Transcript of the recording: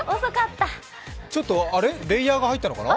ちょっとレイヤーが入ったのかな？